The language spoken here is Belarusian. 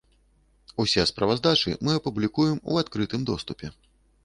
Усе справаздачы мы апублікуем у адкрытым доступе.